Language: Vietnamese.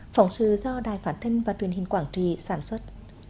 phỏng sự do đài phản thân và truyền hình quảng trị sản xuất